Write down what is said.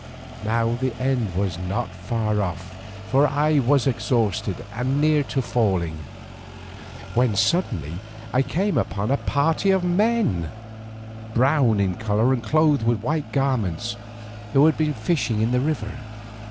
Now the end was not far off, for I was exhausted and near to falling, when suddenly I came upon a party of men, brown in colour and clothed with white garments, who had been fishing in the river.